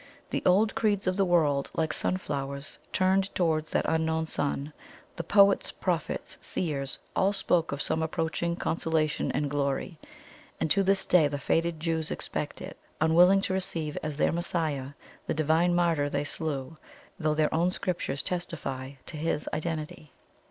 The old creeds of the world, like sunflowers, turned towards that unknown Sun; the poets, prophets, seers, all spoke of some approaching consolation and glory; and to this day the fated Jews expect it, unwilling to receive as their Messiah the Divine Martyr they slew, though their own Scriptures testify to His identity.